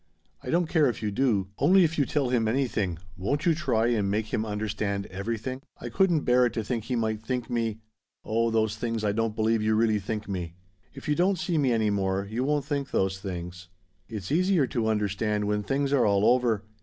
I don't care if you do, only if you tell him anything, won't you try and make him understand everything? I couldn't bear it to think he might think me oh those things I don't believe you really think me. "If you don't see me any more, you won't think those things. It's easier to understand when things are all over.